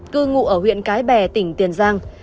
cư ngụ ở huyện cái bè tỉnh tiền giang